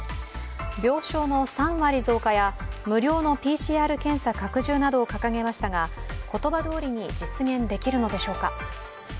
病床の３割増加や無料のＰＣＲ検査拡充などを掲げましたが言葉どおりに実現できるのでしょうか。